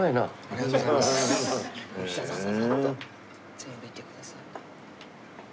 全部いってください。